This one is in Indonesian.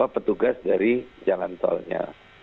petugas dari jalan tolnya